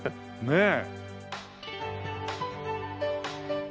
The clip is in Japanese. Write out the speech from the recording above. ねえ。